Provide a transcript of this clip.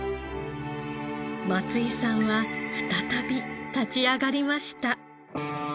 松井さんは再び立ち上がりました。